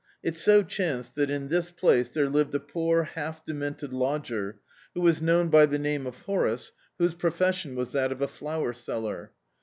It so chanced that in this place there lived a poor half demented lodger, who was known by the name of Horace, whose profession was that of a flower seller.